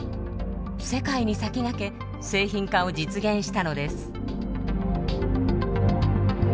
世界に先駆け製品化を実現したのです。